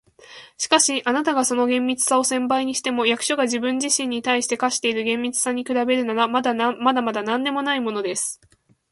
「しかし、あなたがその厳密さを千倍にしても、役所が自分自身に対して課している厳密さに比べるなら、まだまだなんでもないものです。